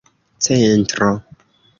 centro